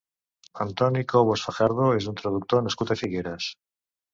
Antoni Cobos Fajardo és un traductor nascut a Figueres.